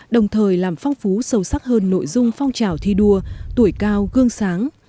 đồng thời làm phong phú sâu sắc hơn nội dung phong trào thi đua tuổi cao gương sáng